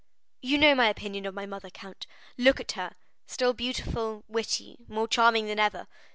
"You know my opinion of my mother, count; look at her,—still beautiful, witty, more charming than ever.